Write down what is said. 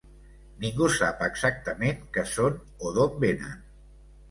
Ningú sap exactament que són o d'on vénen.